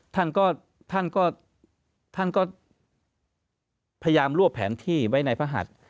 ท่านก็ท่านก็ท่านก็พยายามรวบแผนที่ไว้ในพระหัส